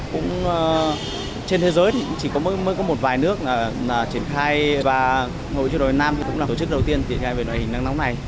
cũng trên thế giới thì chỉ mới có một vài nước là triển khai và hội chứa thập đỏ việt nam cũng là tổ chức đầu tiên thiên tai về loại hình nắng nóng này